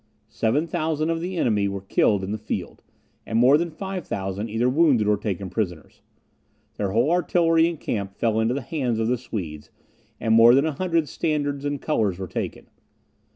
Seven thousand of the enemy were killed in the field, and more than 5,000 either wounded or taken prisoners. Their whole artillery and camp fell into the hands of the Swedes, and more than a hundred standards and colours were taken.